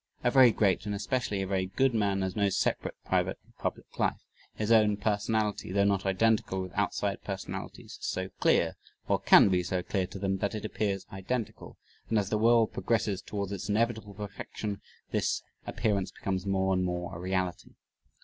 A very great and especially a very good man has no separate private and public life. His own personality though not identical with outside personalities is so clear or can be so clear to them that it appears identical, and as the world progresses towards its inevitable perfection this appearance becomes more and more a reality.